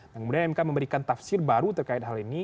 kemudian mk memberikan tafsir baru terkait hal ini